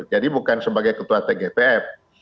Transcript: jadi bukan sebagai ketua tgipf